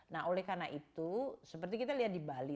nah oleh karena itu seperti kita lihat di bali